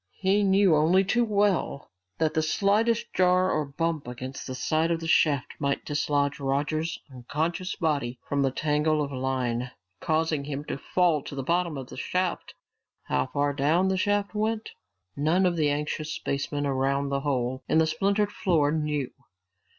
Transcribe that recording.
He knew only too well that the slightest jar or bump against the side of the shaft might dislodge Roger's unconscious body from the tangle of line, causing him to fall to the bottom of the shaft. How far down the shaft went, none of the anxious spacemen around the hole in the splintered floor knew.